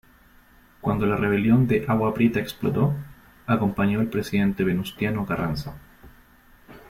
Cuando la rebelión de Agua Prieta explotó, acompañó al presidente Venustiano Carranza.